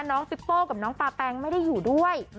ฟิโป้กับน้องปาแปงไม่ได้อยู่ด้วย